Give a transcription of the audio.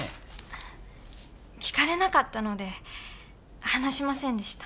聞かれなかったので話しませんでした。